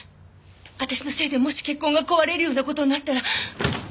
私のせいでもし結婚が壊れるような事になったら。